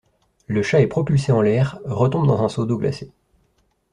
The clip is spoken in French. Le chat est propulsé en l'air, retombe dans un seau d'eau glacé.